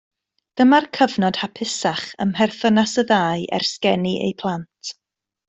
Dyma'r cyfnod hapusaf ym mherthynas y ddau ers geni eu plant